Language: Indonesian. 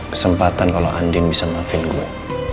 kesempatan kalau andin bisa maafin gue